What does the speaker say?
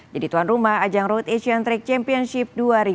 jadi tuan rumah ajang road asian track championship dua ribu dua puluh lima